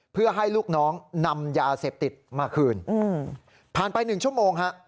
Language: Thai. เพื่อให้ลูกน้องนำยาเสพติดมาคืนผ่านไป๑ชั่วโมงฮะ